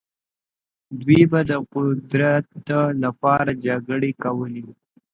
دوی به د قدرت لپاره جګړې کولې.